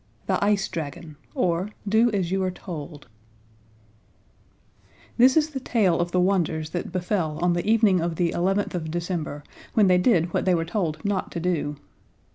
The Ice Dragon, or Do as You Are Told This is the tale of the wonders that befell on the evening of the eleventh of December, when they did what they were told not to do.